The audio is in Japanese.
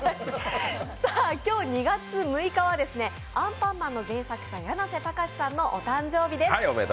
今日２月６日は「アンパンマン」の原作者やなせたかし先生のお誕生日です。